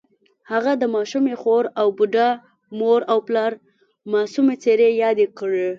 هغه د ماشومې خور او بوډا مور او پلار معصومې څېرې یادې کړې